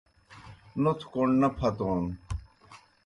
نوتھوْ کوْݨ نہ پھتون